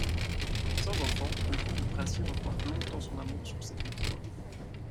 Sans enfant, le couple princier reporte longtemps son amour sur ses pékinois.